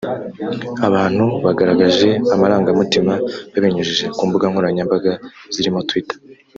Abantu bagaragaje amarangamutima babinyujije ku mbuga nkoranyambaga zirimo Twitter